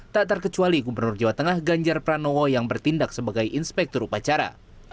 tak terkecuali gubernur jawa tengah ganjar pranowo yang bertindak sebagai inspektur upacara